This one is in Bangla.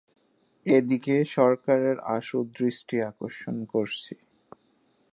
এদিকে সরকারের আশু দৃষ্টি আকর্ষণ করছি।